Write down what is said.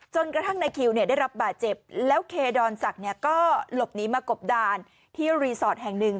กระทั่งนายคิวได้รับบาดเจ็บแล้วเคดอนศักดิ์ก็หลบหนีมากบดานที่รีสอร์ทแห่งหนึ่ง